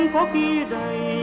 có khi đầy